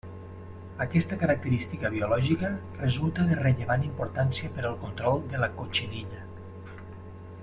Aquesta característica biològica resulta de rellevant importància per al control de la cotxinilla.